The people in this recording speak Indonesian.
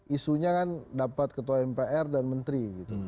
isunya kan dapat ketua mpr dan menteri